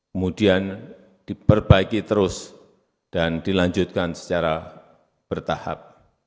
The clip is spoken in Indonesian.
kemudian diperbaiki terus dan dilanjutkan secara bertahap